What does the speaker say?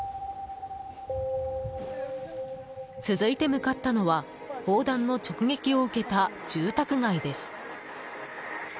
続いて向かったのは砲弾の直撃を受けた住宅街です。